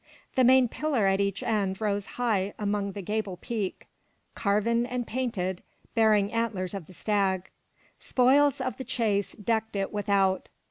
The main pillar at each end rose high above the gable peak, carven and painted, bearing antlers of the stag. Spoils of the chase decked it without.